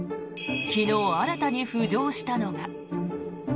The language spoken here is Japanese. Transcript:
昨日、新たに浮上したのが。